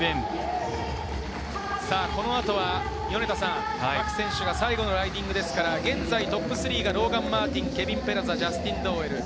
この後は各選手が最後のライディングですから現在トップ３がローガン・マーティン、ケビン・ペラザ、ジャスティン・ドーウェル。